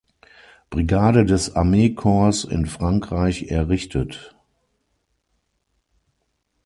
Brigade des Armee-Korps in Frankreich errichtet.